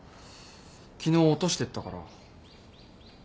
昨日落としてったから。